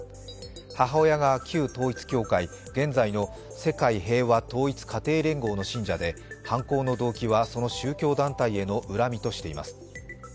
母親が旧統一教会、現在の世界平和統一家庭連合の信者で犯行の動機はその宗教団体への恨みとしています。